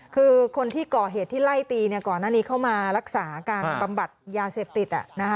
คือคนที่ก่อเหตุที่ไล่ตีก่อนหน้านี้เข้ามารักษาการบำบัดยาเสพติด